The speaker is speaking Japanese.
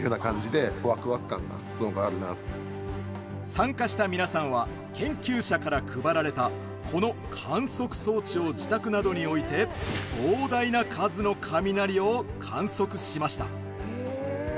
参加したみなさんは研究者から配られたこの観測装置を自宅などに置いて膨大な数の雷を観測しました。